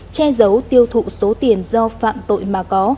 che giấu tiêu thụ số tiền do phạm tội mà có